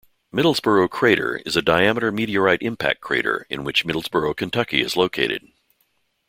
Middlesboro crater is a diameter meteorite impact crater in which Middlesboro, Kentucky, is located.